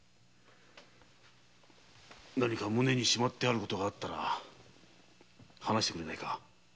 何か胸にしまってある事があったら話してくれ。